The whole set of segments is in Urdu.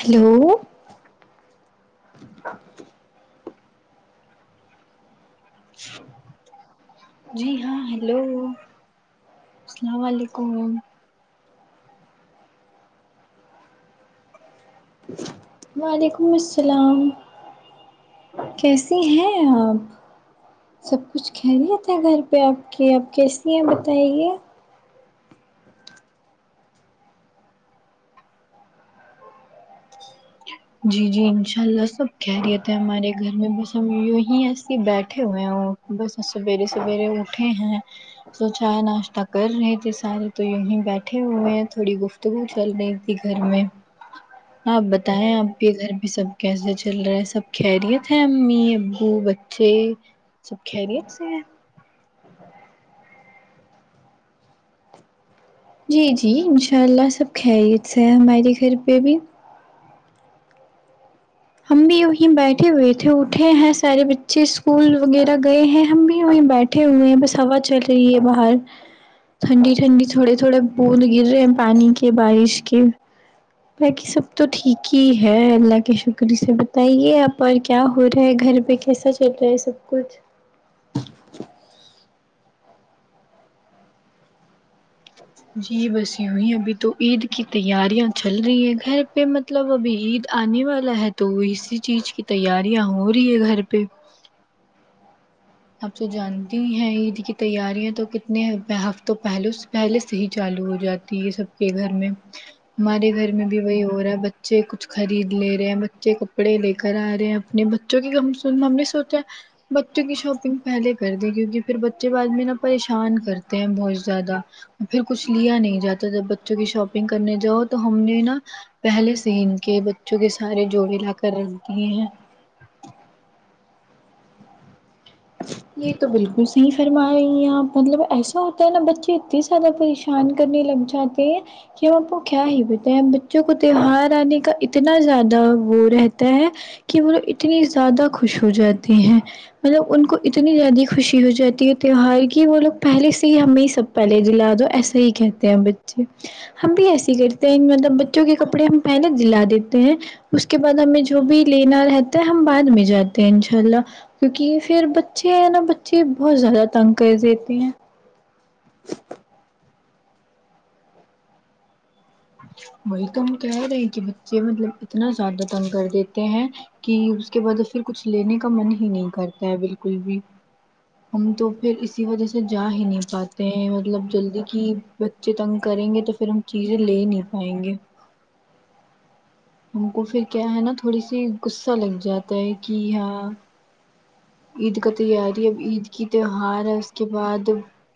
ہلو جی ہاں ہیلو السلام علیکم [inaudible] وعلیکم السلام کیسے ہیں آپ سب کچھ کہہ لیے تھا گھر پہ آپ کے آپ کیسی ہیں بتائیے جی جی انشاء اللہ سب کہہ رہیے تھے ہمارے گھر میں بس ہم ہی ایسے بیٹھے ہوئے ہ بس سویرے سویرے اٹھے ہیں تو چائے ناشتہ کر رہے تھے سارے تو یہیں بیٹھے ہوئے ہیں تھوڑی گفت تو وہ چل رہی تھی گھر میں آپ بتائے آپ کے گھر بھی سب کیسے چل رہا ہے سب خیریت ہے امی ابو بچے سب خری سے جی جی انشاء اللہ سب خیریت سے ہے ہمارے گھر پہ بھی ہم بھی وہیں بیٹھے ہوئے تھے اٹھے ہیں سارے بچے اسکول وغیرہ گئے ہیں ہم بھی وہیں بیٹھے اٹھے ہوئے ہیں بس ہوا چل رہی ہے باہر ٹھنڈی ٹھنڈی تھوڑے تھوڑے بوند گر رہے ہیں پانی کے بارش کے باقی سب تو ٹھیک ہی ہے اللہ کے شکرری سے بتائیے آپ اور کیا ہو رہا ہے گھر پہ کیا ایسا چلتا ہے سب کچھ جی بس یوںی ابھی تو عید کی تیاریاں چل رہی ہیں گھر پہ مت مطلب ابھی عید آنے والا ہے تو وہ اسی چیز کی تیاریاں ہو رہی ہے گھر پہ آپ سے جانتی ہیں عید کی تیاریاں تو کتنے ہفتوں پہلے پہلے سے ہی چالو ہو جاتی تی ہے سب کے گھر میں ہمارے گھر میں بھی وہی ہو رہا ہے بچے کچھ خرید لے رہے ہیں بچے کپڑے لے کر آ رہے ہیں اپنے بچوں کی ممی سوچ ہیں بچوں کی شب پہلے کر د کیونکہ پھر بچے ب آدمی نا پریشان کرتے ہیں بہت زیادہ پھر کچھ لیا نہیں جاتا جب بچوں کی شاپنگ کرنے جاؤ تو ہم نے نا پہلے سے ان کے بچوں کے سارے جوڑے لا کر رکھتیے ہیں یہ تو بالکل صحیح فرما رہی ہیں آپ مطلب ایسا ہوتا ہے نا بچے اتنے زیادہ پریش ان کرنے لگ جاتے ہیں کہ ہم آپ کو کیا ہی بتائیں بچوں کو تیوار آنے کا ا اتنا زیادہ وہ رہتا ہے کہ وہ لوگ اتنی زیادہ خوش ہو جاتے ہیں مطلب ان کو اتنی زیادہ خوشی ہو جاتی ہے تہوہار کہ وہ لوگ پہلے سے ہی ہمیں ہی سب پہلے دلا دو ایسا ہی کہتے ہیں بچے ہم بھی ایسے کرتے ہیں مطلب بچوں کے کپڑے ہم پہلے دلا دیتے ہیں اس کے بعد ہمیں جو بھی لینا رہتا ہے ہم بعد میں جاتے ہیں انشاء اللہ کیونکہ پھر بچے نا بچے بہت زیادہ تنگ کر دیتے ہیں وہی تو ہم کہہ رہے کہ بچے مطلب اتنا زیادہ تن کر دیتے ہیں کہ اس کے بعد پھر کچھ لینے کا من ہی نہیں کرتا ہے بالکل بھی ت تو پھر اسی وجہ سے جا ہی نہیں پات مطلب جلدی کی بچے تنگ کریں گے تو پھر ہم چیزیں لے نہیں پائیں گے ہم کو پھر کیا ہے نا تھوڑی سی غصہ لگ جاتا ہے کہ یہاں عید کا تیاری اب عید کی تہوار ہے اس کے بعد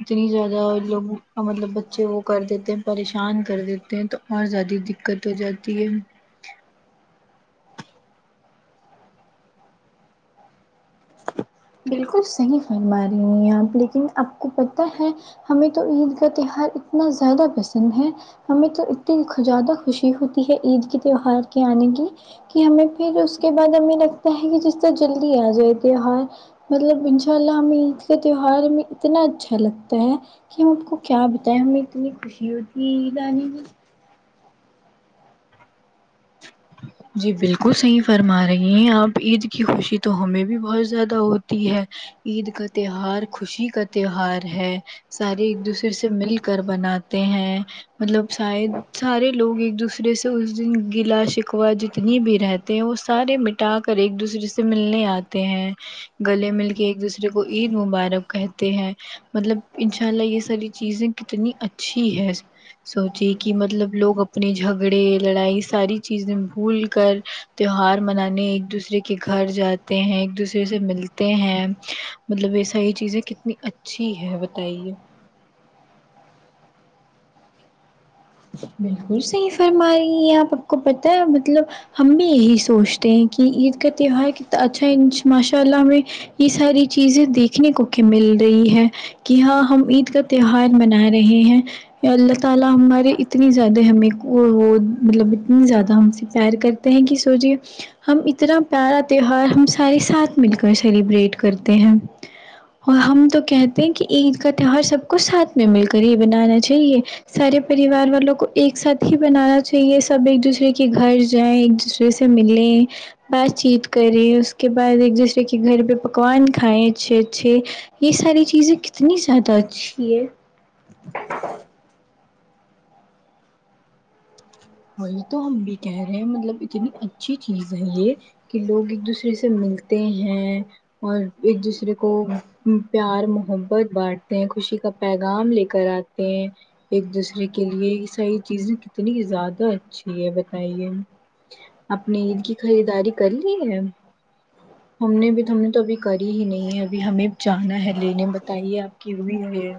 اتنی زیادہ لوگ مطلب بچے وہ کر دیتے ہیں پریشان کر دیتے ہیں تو اور زیادہ دقت ہو جاتی ہے بالکل صحیح فرما رہے ہیں آپ لیکن آپ کو پتہ ہے ہمیں تو عید کا تہوار اتنا زیادہ پسند ہے ہمیں تو اتنی زیادہ خوشی ہوتی ہے عید کے تہوار کے آنے کی کہ ہمیں پھر اس کے بعد ہمیں لگتا ہے کہ جس طرح جلدی آ جائے تیوار مطلب ان شاء اللہ ہمیں عید کا تہوار میں اتنا اچھا لگتا ہے کہ ہم آپ کو کیا بتائے ہمیں اتنی خوشی ہوتی ہے رانی کیی جی بالکل صحیح فرما رہی ہیں آپ عید کی خوشی تو ہمیں بھی بہت زیادہ ہوتی ہے عید کا تہوار خوشی کا تہوار ہے سارے ایک دوسرے سے مل کر بناتے ہیں مطلب شاید سارے لوگ ایک دوسرے سے اس دن گلا ش ا جتنی بھی رہتے ہیں وہ سارے مٹا کر ایک دوسرے سے ملنے آتے ہیں گلے مل کے ایک دوسرے کو عید مبارک کہتے ہیں مطلب انشاء اللہ یہ ساری چیزیں اتنی اچھی ہے سوچی کہ مطلب لوگ اپنے جھگڑے لڑائی ساری چیز چز بھول کر تیوار منانے ایک دوسرے کے گھر جاتے ہیں ایک دوسرے ا سے ملتے ہیں مطلب یہ ساری چیزیں کتنی اچھی ہے بتائیے بالکل صحیح فرم رہ آپ آپ کو پتا ہے مطلب ہم بھی یہی سوچتے ہیں کہ عید کا تہوار کتنا اچھا ہے ماشاء اللہ میں یہ ساری چیزیں دیکھنے کو کہ مل رہی ہے کہ ہاں ہم عید کا تہوار منا رہے ہیں اللہ تالی ہمارے اتنی زیادہ ہمیں وہ مطلب اتنی زیادہ ہم سے پیر کرتے ہیں کہ سوچے ہم اتنا پیارا تیوار ہم سارے ساتھ مل کر سیلیبریٹ کرتے ہیں اور ہم تو کہتے ہیں کہ عید کا تیوار سب کو ساتھ میں مل کر ہی بنانا چاہیے سارے پ پریوار والوں کو ایک ساتھ ہی بنانا چاہیے سب ایک دوسرے کے گھر جائیں ایک دوسرے سے ملیں بات چیت کریں اس کے بعد ایک دوسرے کے گھر پہ پکوان کھائائے اچھے اچھے یہ ساری چیزیں کتنی زیادہ اچھی ہے [inaudible] [inaudible] وہی تو ہم بھی کہہ رہے ہیں مطلب اتنی اچھی چیز ہے یہ کہ لوگ ایک دوسرے سے ملتے ہیں اور ایک دوسرے کو پیار محبت بانٹ خوشی کا پیغام لے کر آتے ہیں ایک دوسرے کے لیے یہ ساری چیزیں کتنی زیادہ اچھی ہے بتائیے اپنی عید کی خریداری کر لی ہے ہم نے بھی تو ہم نے تو ابھی کری ہی نہیں ہے ابھی ہمیں جانا ہے لینے بتائیے آپ کی ہو بھی ہے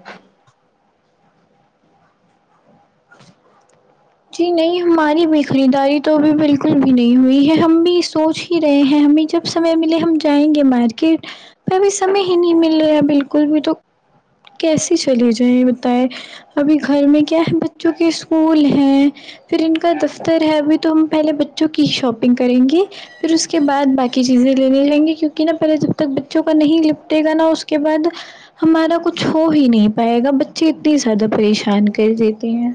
جی نہیں ہماری بھی خریداری توب بالکل بھی نہیں ہوئی ہے ہم بھی سوچ ہی ہی رہے ہیں ہمیں جب سمے ملے ہم جائیں گے مارکیٹ پھی سمے ہی نہیں مل رہا بالکل بھی تو کیسے چلے جائیں بتائے ابھی گھر میں کیا ہے بچوں کے اسکول ہیں پھر ان کا دفتر ہے ابھی تو ہم پہلے بچوں کی شاپنگ کریں گے پھر اس کے بعد باقی چیزیں لینے جائیں گی کیونکہ نا پہلے جب تک بچوں کا نہیں لپٹے گا نا اس کے بعد ہمارا کچھ ہو ہی نہیں پائے گا بچے اتنے زیادہ پریشان کر دیتے ہیں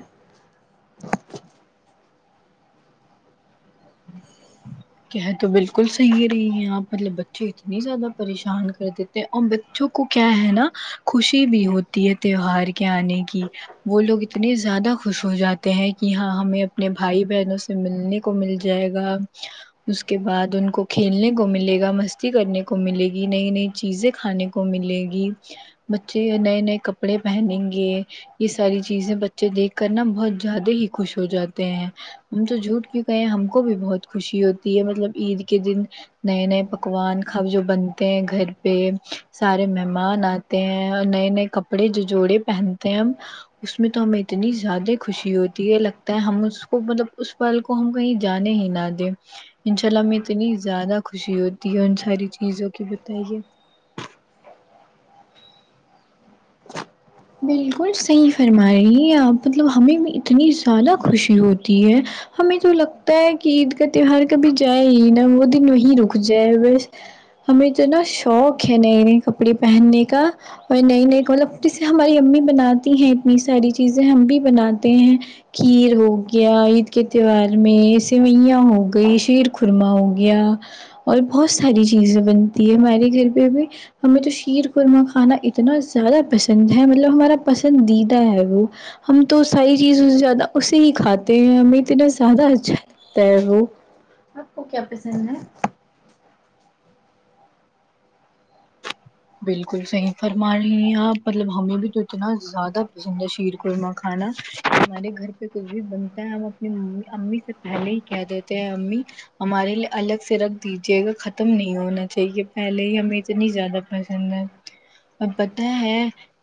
کہ تو بالکل صحیح رہی ہیں آپ مطلب بچے اتنی زیادہ پریشان کر دیتے بچوں کو کیا ہے نا خوشی بھی ہوتی ہے تہوار کے آنے کی وہ لوگ اتنے زیادہ خوش ہو جاتے ہیں کہ ہاں ہمیں اپنے بھائی بہنوں سے ملنے کو مل جائے گا اس کے بعد ان کو کھیلنے کو ملے گا مستی کرنے کو ملے گی نئی نئی چیزیں کھانے کو ملے گی بچے نئے نئے کپڑے پہنیں گے یہ ساری چیزیں ب بچے دیکھ کر نا بہت زیادہ ہی خوش ہو جاتے ہیں ہم تو جھوٹ کیوں کہئے ہیں ہم کو بھی بہت خوشی ہوتی مطلب عید کے دن نئے نئے پکوان ک جو بنتے ہیں گھر پہ سارے مہمان آتے ہیں نئے نئے کپڑے جو جوڑے پہنتے ہیں اس میں تو ہمیں اتنی زیادہ خوشی ہوتی ہے لگتا ہے ہم اس کو مطلب اس پال کو ہم کہیں جانے ہی نہ دیں انشاء اللہ میں اتنی زیادہ خوشی ہوتی ہے ان ساری چیزوں کی بتائیے بالکل صحیح فرما رہی ہیں آپ مطلب ہمیں بھی اتنی زیادہ خوشی ہوتی ہے ہمیں جو لگتا ہے کہ عید کا تیوار کبھی جائے ہی نا وہ دن وہی رک جائے بس ہمیں جو نا شوق ہے نئے نئے کپڑے پہننے کا اور نئی نئی ملب جے ہماری امی بناتی ہیں اتنی ساری چیزیں ہم بھی بناتے ہیں کھیر ہو گیا عید کے تہوار میں سوئیاں ہو گئی شیر خورما ہو گیا اور بہت ساری چیزیں بنتی ہے ہمارے گھر پہ ابھی ہمیں تو شیر قورمہ کھانا اتنا زیادہ پسند ندھ ہے مطلب ہمارا پسندیدہ ہے وہ ہم تو ساری چیز زیادہ اسے ہی کھاتے ہیں ہمیں اتنا زیادہ اچھا ل تیرو آپ کو کیا پسند ہے بالکل صحیح فرما رہی ہیں آپ مطلب ہمیں بھی تو اتنا زیادہ پسندہ شیر قورما کھانا ہمارے گھر پہ کچھ بھی بنتا ہے ہم اپنی امی سے پلے کیا دیتے ہیں امی ہمارے لیے الگ سے رگ دیجیے گا ختم نہیں ہونا چاہیے پہلے ہی ہمیں اتنی زیادہ پسند ہے ا پتا ہے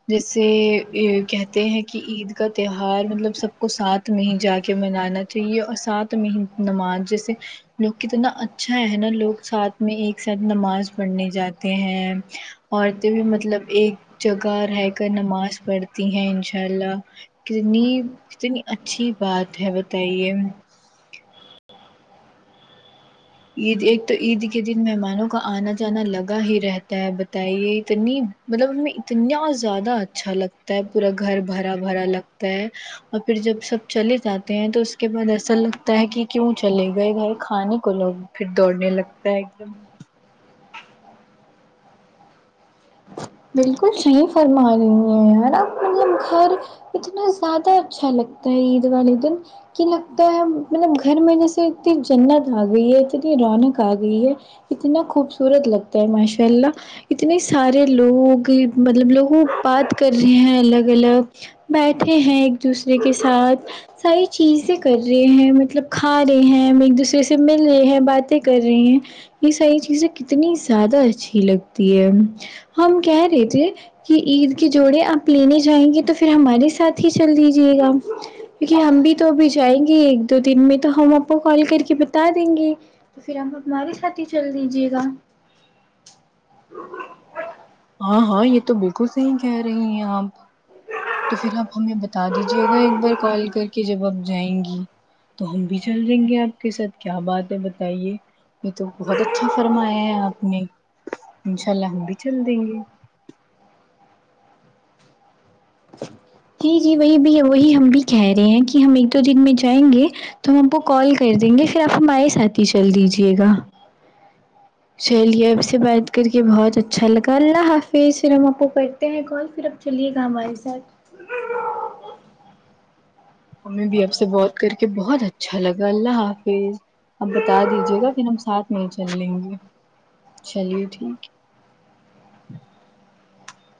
جیسے کہتے ہیں کہ عید کا تیوہار مطلب سب کو ساتھ میں ہی جا کے منانا چاہیے اور ساتھ میں ہی نماز جیسے لوگ کتنا اچھا ہے نا لوگ ساتھ میں ایک ساتھ نماز پڑھنے جاتے ہیں عورتیں بھی مطلب ایک جگہ رہ کر نماز پڑھتی ہیں انشاء اللہ کتنی کتنی اچھی بات ہے بتائیے عید ایک تو عید کے دن مہمانوں کا آنا جانا لگا ہی رہتا تا بتائیے اتنی مطلب میں اتنا زیادہ اچھا لگتا ہے پورا گھر بھرا بھرا لگتا ہے اور پھر جب سب چلے جاتے ہیں تو اس کے بعد ایسا لگتا ہے کہ کیوں چلے گئے گھر کھانے کو لوگ پھر دوڑنے لگتا ہے ایک دم بالکل صحیح فرما رہی ہیں یار آپ مطلب گھر اتنا زیادہ اچھا لگتا ہے عیدوان ا دن کہ لگتا ہے مطلب گھر میں جیسے اتنی جنت آ گئی ہے اتنی رونق آ گئی ہے اتنا خوبصورت لگتا ہے ماشاء اللہ اتنی سارے لوگ مطلب لوگوں بات کر رہے ہیں الگ ال الگ بیٹھے ہیں ایک دوسرے کے ساتھ ساری چیزیں کر رہے ہیں مطلب کھا رہے ہیں ہم ایک دوسرے سے مل رہے ہیں باتیں کر رہے ہیں یہ ساری چیزیں کتنی زیادہ اچھی لگتی ہے ہم کہہ رہے تھے کہ عید کے جوڑے آپ لینے جائیں گے تو پھر ہمارے ساتھ ہی چل دیجیے گا کیونکہ ہم بھی تو بھی جائیں گے دو دن میں تو ہم آپ کو کال کر کے بتا دیں گے تو پھر ہم تارے ساتھی چل دیجیے گا ہاں ہاں یہ تو بالکل سے ہی کہہ رہی ہیں آپ تو پھر آپ ہمیں بتا دیجیے گا ایک بار کال کر کے جب آپ جائیں گی تو ہم بھی چل رہیں گے آپ کے ساتھ کیا بات ہے بتائیے یہ تو بہت اچھا فرمایا ہے آپ نے انشاء اللہ ہم بھی چل دیں گے جی جی وہی بھی وہی ہم بھی کہہ رہے ہیں کہ ہم ایک دو دن میں جائیں گے تو ہم آ کو کال کر دیں گے پھر آپ ہمارے ساتھ ہی چل دیجیے گا چلیے اب سے بات کر کے بہت اچھا لگا اللہ حافظ پھر ہم آپ کو ہیں کال پھر اب چلیے گا ہمارے ساتھ ہمیں بھی اب سے بات کر کے بہت اچھا لگا اللہ حافظ اب بتا دیجیے گا پھر ہم ساتھ میں ہی چل لیں گے چلیے ٹھیک